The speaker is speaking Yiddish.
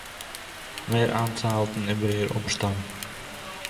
מער איינצלהייטן איבער איר אָפּשטאַם